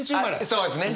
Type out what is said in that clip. そうですね。